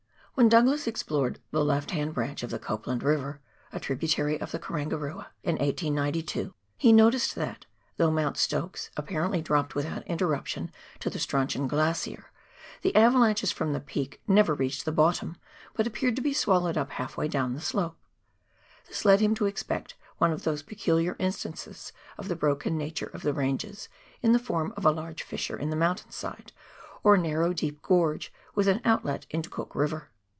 "When Douglas explored the left hand branch of the Copland Eiver (a tributary of the Karangarua) in 1892, he noticed that, though Mount Stokes apparently dropped without interruption to the Strauchon Glacier, the avalanches from the peak never reached the bottom, but appeared to be swallowed up half way down the slope. This led him to expect one of those peculiar instances of the broken nature of the ranges in the form of a large fissure in the mountain side, or narrow deep gorge with an outlet into Cook E iver.